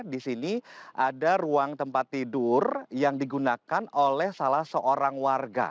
di sini ada ruang tempat tidur yang digunakan oleh salah seorang warga